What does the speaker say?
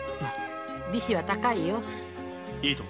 利子は高いよ。